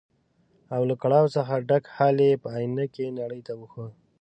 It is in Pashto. او له کړاو څخه ډک حال یې په ائينه کې نړۍ ته وښود.